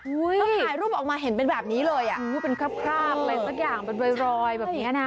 เขาถ่ายรูปออกมาเห็นเป็นแบบนี้เลยอ่ะพูดเป็นคราบอะไรสักอย่างเป็นรอยแบบนี้นะ